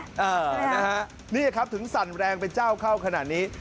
เออนะฮะนี่ครับถึงสั่นแรงเป็นเจ้าเข้าขนาดนี้